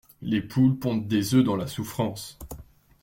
Les poules pondent des oeufs dans la souffrance.